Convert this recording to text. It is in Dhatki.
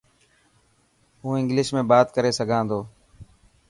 هون انگلش ۾ بات ڪري سگھان ٿو.